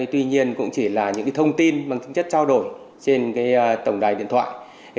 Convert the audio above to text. tuy nhiên cũng chỉ là những thông tin bằng chất trao đổi trên tổng đài điện thoại